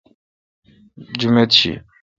جمیت شی۔